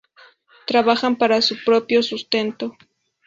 Trabajan para su propio sustento.